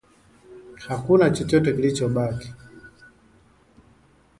Hakuna chochote kilichobaki